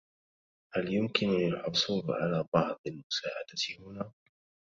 هل يمكنني الحصول على بعض المساعدة هنا؟